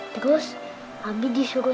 terus abi disuruh